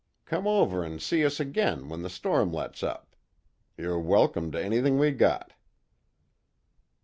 Come over an' see us agin, when the storm lets up. Yer welcome to anything we got."